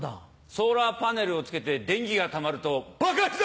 ソーラーパネルを付けて電気がたまると爆発だ！